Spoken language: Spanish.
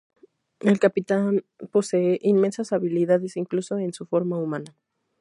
El Capitán posee inmensas habilidades, incluso en su forma humana.